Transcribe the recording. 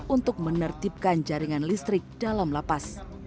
untuk menertibkan jaringan listrik dalam lapas